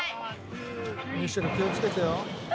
ミッシェル気を付けてよ。